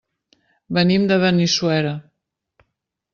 Venim de Benissuera.